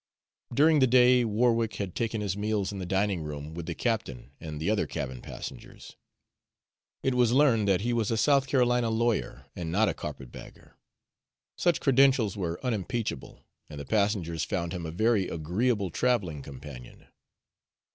During the day, Warwick had taken his meals in the dining room, with the captain and the other cabin passengers. It was learned that he was a South Carolina lawyer, and not a carpet bagger. Such credentials were unimpeachable, and the passengers found him a very agreeable traveling companion.